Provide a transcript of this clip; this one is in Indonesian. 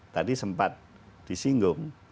tadi sempat disinggung